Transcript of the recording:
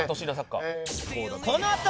このあと。